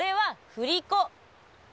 振り子？